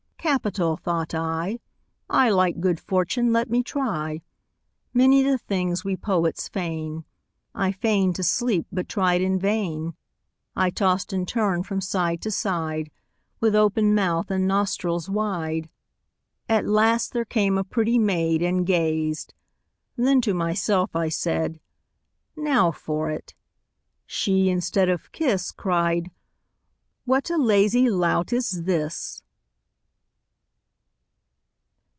'Capital!' thought I. 'A like good fortune let me try.' Many the things we poets feign. I feign'd to sleep, but tried in vain. I tost and turn'd from side to side, With open mouth and nostrils wide. At last there came a pretty maid, And gazed; then to myself I said, 'Now for it!' She, instead of kiss, Cried, 'What a lazy lout is this!'